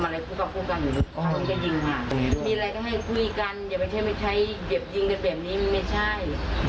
ไม่ใช่เก็บยิงแบบนี้อย่างแบบนี้ไม่ใช่